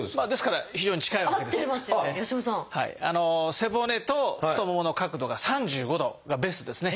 背骨と太ももの角度が３５度がベストですね。